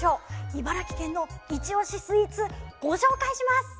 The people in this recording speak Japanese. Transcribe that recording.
茨城県のイチオシスイーツご紹介します！